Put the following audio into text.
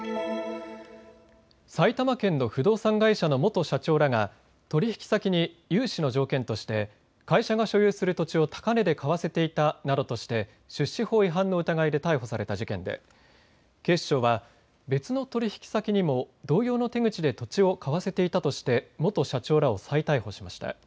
埼玉県の不動産会社の元社長らが取引先に融資の条件として会社が所有する土地を高値で買わせていたなどとして出資法違反の疑いで逮捕された事件で警視庁は別の取引先にも同様の手口で土地を買わせていたとして元社長らを再逮捕しました。